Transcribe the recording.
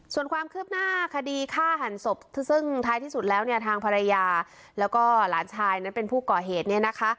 ส่วนความคืบหน้าคดีฆ่าหันศพซึ่งท้ายที่สุดแล้วเนี่ยทางภรรยาแล้วก็หลานชายนั้นเป็นผู้ก่อเหตุเนี่ยนะคะ